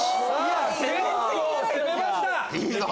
結構攻めました！